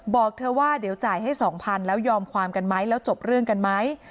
บอกเธอว่าเดี๋ยวจ่ายให้๒๐๐๐แล้วยอมความกันไหมแล้วจบเรื่องกันไหม